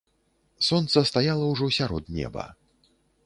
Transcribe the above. Сонца стаяла ўжо сярод неба.